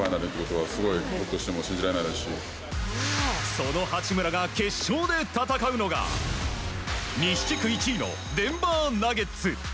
その八村が決勝で戦うのが西地区１位のデンバー・ナゲッツ。